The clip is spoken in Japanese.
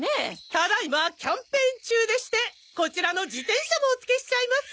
ただ今キャンペーン中でしてこちらの自転車もお付けしちゃいます！